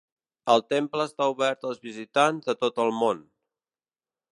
El temple està obert als visitants de tot el món.